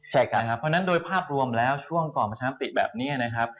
ใช่ครับเพราะฉะนั้นโดยภาพรวมแล้วช่วงก่อนประชามติแบบนี้นะครับ